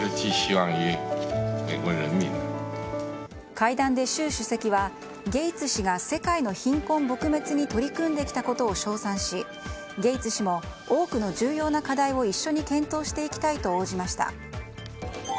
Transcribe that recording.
会談で習主席はゲイツ氏が世界の貧困撲滅に取り組んできたことを称賛しゲイツ氏も、多くの重要な課題を一緒に検討していきたいと応じました。